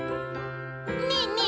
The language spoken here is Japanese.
「ねえねえ